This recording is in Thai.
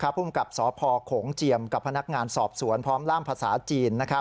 ภูมิกับสพโขงเจียมกับพนักงานสอบสวนพร้อมล่ามภาษาจีน